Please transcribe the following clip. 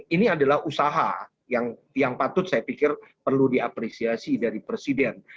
ini adalah usaha yang patut saya pikir perlu diapresiasi dari presiden